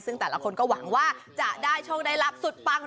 ซึ่งแต่ละคนก็หวังว่าจะได้โชคได้รับสุดปัง